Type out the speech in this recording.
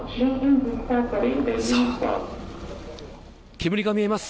煙が見えます。